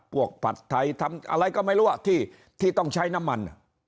ผัดไทยทำอะไรก็ไม่รู้ที่ต้องใช้น้ำมัน